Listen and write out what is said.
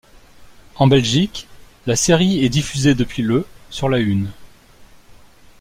En Belgique, La série est diffusée depuis le sur La Une.